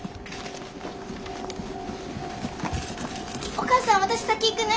お母さん私先行くね。